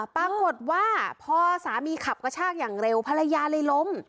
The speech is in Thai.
ปรากฏว่าพอสามีขับกระชากอย่างเร็วภรรยาเลยล้ม